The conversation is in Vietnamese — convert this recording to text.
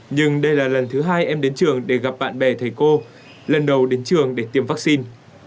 nhưng đây là lần thứ hai em đến trường để gặp bạn bè thầy cô lần đầu đến trường để tiêm vaccine